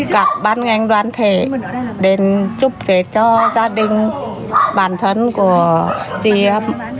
các ban ngành đoàn thể đến chúc tết cho gia đình bản thân của chị